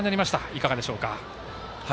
いかがでしょうか？